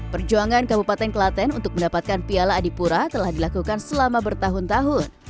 perjuangan kabupaten kelaten untuk mendapatkan piala adipura telah dilakukan selama bertahun tahun